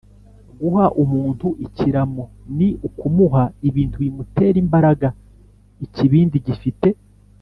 guha umuntu ikiramo ni ukumuha ibintu bimutera imbaraga ikibindi gifite